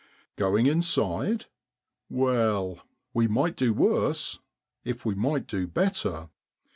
Going inside? Well, we might do worse, if we might do better.